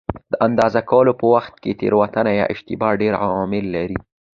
د اندازه کولو په وخت کې تېروتنه یا اشتباه ډېر عوامل لري.